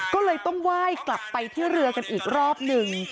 ก็เลยต้องไหว้กลับไปที่เรือกันอีกรอบหนึ่ง